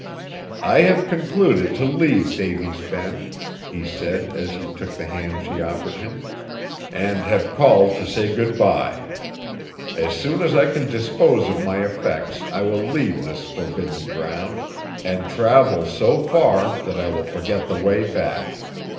"I have concluded to leave Davy's Bend," he said, as he took the hand she offered him, "and have called to say good by. As soon as I can dispose of my effects I will leave this forbidden ground, and travel so far that I will forget the way back.